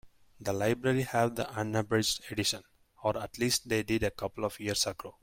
The library have the unabridged edition, or at least they did a couple of years ago.